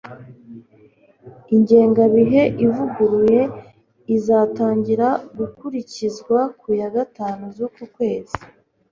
ingengabihe ivuguruye izatangira gukurikizwa ku ya gatanu z'uku kwezi